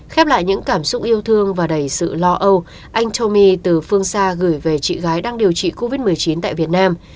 khép lại những cảm xúc yêu thương và đầy sự lo âu anh thomi từ phương xa gửi về chị gái đang điều trị covid một mươi chín tại việt nam